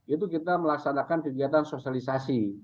itu kita melaksanakan kegiatan sosialisasi